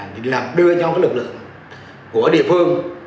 đưa nhau lực lượng của địa phương